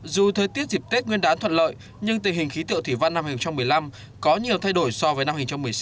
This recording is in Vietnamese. dù thời tiết dịp tết nguyên đán thuận lợi nhưng tình hình khí tượng thủy văn năm hai nghìn một mươi năm có nhiều thay đổi so với năm hai nghìn một mươi sáu